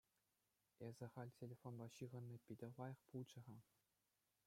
Эсӗ халь телефонпа ҫыхӑнни питӗ лайӑх пулчӗ-ха.